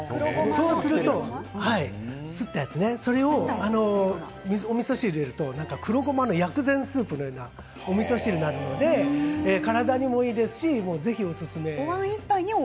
そうすると、すったやつねみそ汁に入れると黒ごまの薬膳スープのようなおみそ汁になるので体にもいいですしぜひおすすめです。